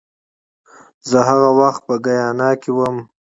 زه هغه وخت په ګیانا کې وم